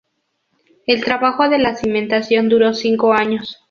El trabajo de la cimentación duró cinco años.